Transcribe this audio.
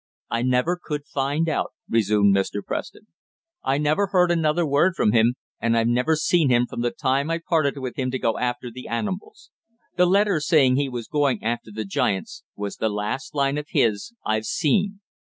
"I never could find out," resumed Mr. Preston. "I never heard another word from him, and I've never seen him from the time I parted with him to go after the animals. The letter saying he was going after the giants was the last line of his I've seen."